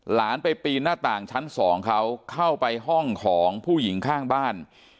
หลานไปปีนหน้าต่างชั้นสองเขาเข้าไปห้องของผู้หญิงข้างบ้าน